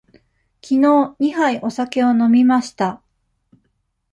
きのう二杯お酒を飲みました。